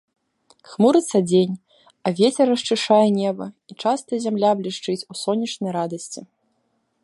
Хмурыцца дзень, а вецер расчышчае неба, і часта зямля блішчыць у сонечнай радасці.